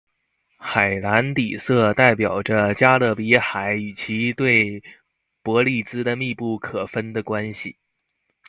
海蓝底色代表着加勒比海与其对伯利兹的密不可分的关系。